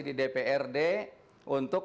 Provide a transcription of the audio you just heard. di dprd untuk